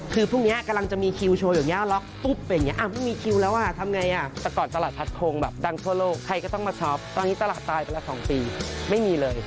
ต้องมาชอบตอนนี้ตลาดตายเวลา๒ปีไม่มีเลย